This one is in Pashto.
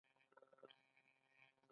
چې له موټر نه پیاده شوي وو.